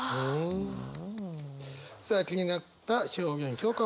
さあ気になった表現共感